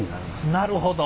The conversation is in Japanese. なるほど。